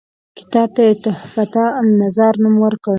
کتاب ته یې تحفته النظار نوم ورکړ.